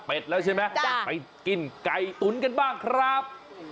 เป็นแล้วใช่ไหมไปกินไก่ตุ๋นกันบ้างครับ